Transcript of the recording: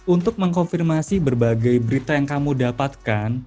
untuk mengkonfirmasi berbagai berita yang kamu dapatkan